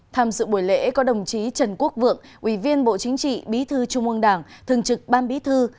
tham dự buổi lễ có đồng chí trần quốc vượng ubnd bí thư trung ương đảng thường trực ban bí thư